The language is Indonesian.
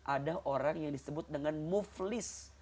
ada orang yang disebut dengan muflis